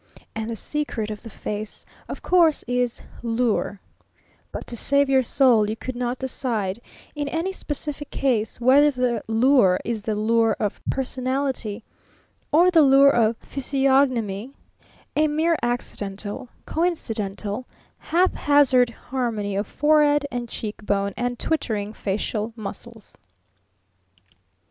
And the secret of the face, of course, is "Lure"; but to save your soul you could not decide in any specific case whether the lure is the lure of personality, or the lure of physiognomy a mere accidental, coincidental, haphazard harmony of forehead and cheek bone and twittering facial muscles.